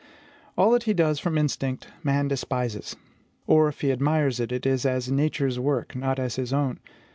All that he does from instinct man despises; or, if he admires it, it is as Nature's work, not as his own.